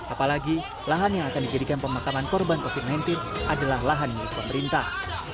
apalagi lahan yang akan dijadikan pemakaman korban covid sembilan belas adalah lahan milik pemerintah